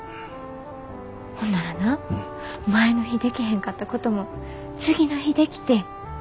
ほんならな前の日でけへんかったことも次の日できて。